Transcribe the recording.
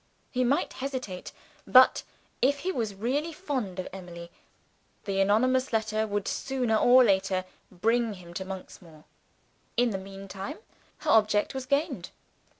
He might hesitate; but, if he was really fond of Emily, the anonymous letter would sooner or later bring him to Monksmoor. In the meantime, her object was gained.